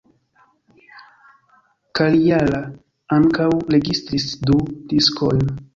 Kalliala ankaŭ registris du diskojn.